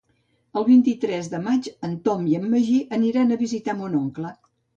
El vint-i-tres de maig en Tom i en Magí aniran a visitar mon oncle.